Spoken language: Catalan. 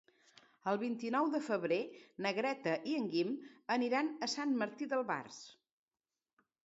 El vint-i-nou de febrer na Greta i en Guim aniran a Sant Martí d'Albars.